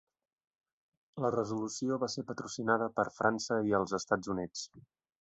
La resolució va ser patrocinada per França i els Estats Units.